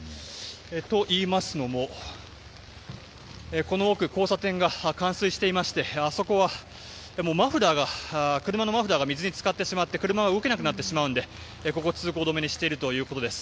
といいますのもこの奥、交差点が冠水していましてあそこは車のマフラーが水に浸かってしまっていて車が動けなくなってしまうのでここを通行止めにしているということです。